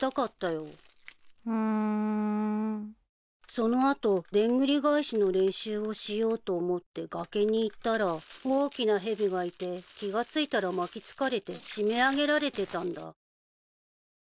その後でんぐり返しの練習をしようと思って崖に行ったら大きなヘビがいて気が付いたら巻きつかれて締め上げられてたんだ。